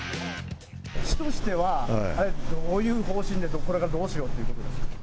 市としては、どういう方針でこれからどうしようということですか。